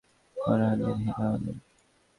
কোহিনূর হীরা আমাদের।